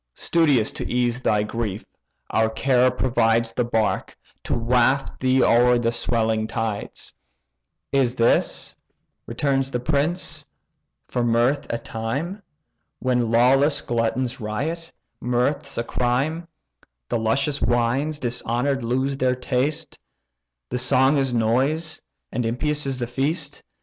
Studious to ease thy grief, our care provides The bark, to waft thee o'er the swelling tides." "Is this (returns the prince) for mirth a time? When lawless gluttons riot, mirth's a crime; The luscious wines, dishonour'd, lose their taste; The song is noise, and impious is the feast.